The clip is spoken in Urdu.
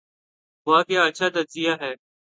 '' واہ کیا اچھا تجزیہ ہے۔